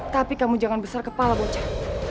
tapi kamu jangan besar kepala bocah